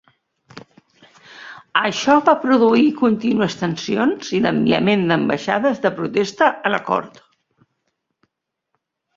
Això va produir contínues tensions i l'enviament d'ambaixades de protesta a la cort.